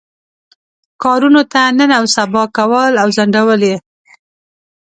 کارونو ته نن او سبا کول او ځنډول یې.